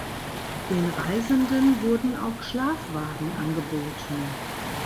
Den Reisenden wurden auch Schlafwagen angeboten.